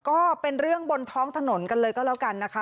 ก็เป็นเรื่องบนท้องถนนกันเลยก็แล้วกันนะคะ